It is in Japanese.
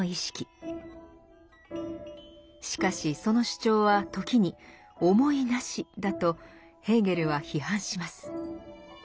しかしその主張は時に「思いなし」だとヘーゲルは批判します。